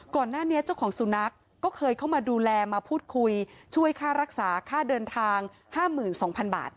ก่อนหน้านี้เจ้าของสุนัขก็เคยเข้ามาดูแลมาพูดคุยช่วยค่ารักษาค่าเดินทาง๕๒๐๐๐บาท